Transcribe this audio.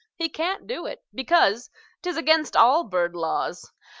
He can't do it, because 'T is against all bird laws.